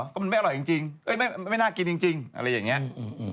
ก็มันไม่อร่อยจริงไม่น่ากินจริงอะไรอย่างนี้